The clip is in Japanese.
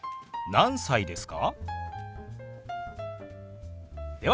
何歳ですか？